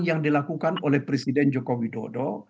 yang dilakukan oleh presiden joko widodo